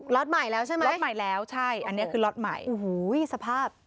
ล็อตใหม่แล้วใช่ไหมอันนี้คือล็อตใหม่โอ้โฮสภาพ